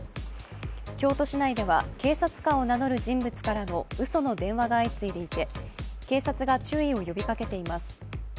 京都市内では警察官を名乗る人物からのうその電話が相次いでいて警察が注意を呼びかけています。